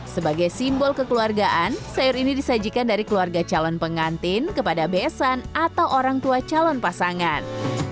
sebagai simbol kekeluargaan sayur ini disajikan dari keluarga calon pengantin kepada besan atau orang tua calon pasangan